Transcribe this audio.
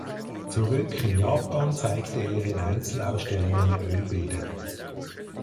Zurück in Japan zeigte er in Einzelausstellungen Ölbilder.